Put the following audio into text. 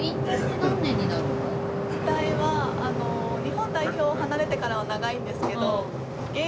引退は日本代表を離れてからは長いんですけど。